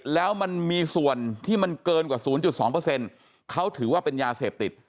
แล้วมันมีส่วนที่มันเกินกว่า๐๒เขาถือว่าเป็นยาเสพติด